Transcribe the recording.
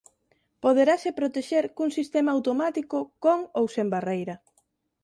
Poderase protexer cun sistema automático con ou sen barreira.